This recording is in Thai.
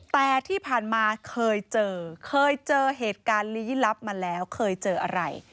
แต่ที่ผ่านมาเคยเจอเคยเจอเหตุการณ์ลี้ลับมาแล้วเคยเจออะไร